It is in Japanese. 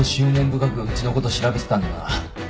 深くうちのこと調べてたんだな。